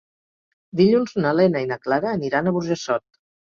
Dilluns na Lena i na Clara aniran a Burjassot.